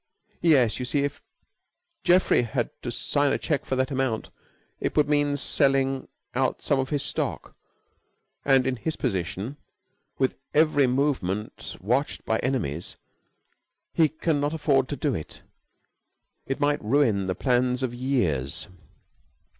"Yes. You see, if Geoffrey had to sign a check for that amount, it would mean selling out some of his stock, and in his position, with every movement watched by enemies, he can not afford to do it. It might ruin the plans of years.